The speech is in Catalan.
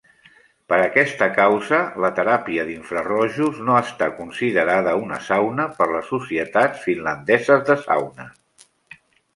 Per aquesta causa, la teràpia d'infrarojos no està considerada una sauna per les societats finlandeses de sauna.